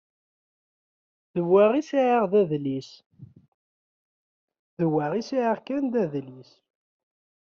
D wa kan i sɛiɣ d adlis.